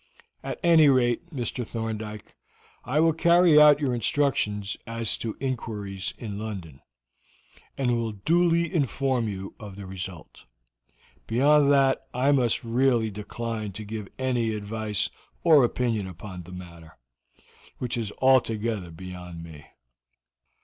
At any rate, Mr. Thorndyke, I will carry out your instructions as to inquiries in London, and will duly inform you of the result; beyond that I must really decline to give any advice or opinion upon the matter, which is altogether beyond me."